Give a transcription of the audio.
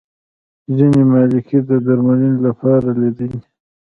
ځینې مالګې د درملنې لپاره دي.